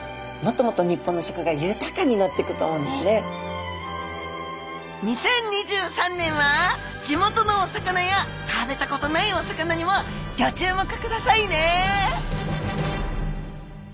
そうすると２０２３年は地元のお魚や食べたことないお魚にもギョ注目くださいね！